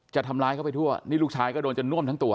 จะทำร้ายเขาไปทั่วนี่ลูกชายก็โดนจนน่วมทั้งตัว